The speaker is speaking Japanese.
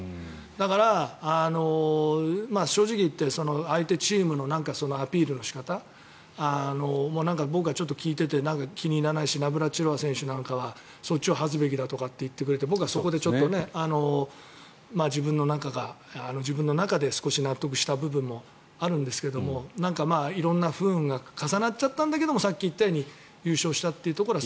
だから、正直言って相手チームのアピールの仕方も僕は聞いていて気に入らないしナブラチロワ選手はそっちを恥ずべきだとかって言ってくれて、僕はそっちで自分の中で少し納得した部分もあるんですが色んな不運が重なっちゃったんだけどさっき言ったように優勝したというところは